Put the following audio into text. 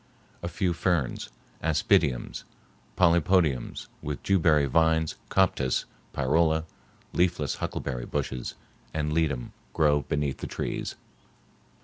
A few ferns, aspidiums, polypodiums, with dewberry vines, coptis, pyrola, leafless huckleberry bushes, and ledum grow beneath the trees.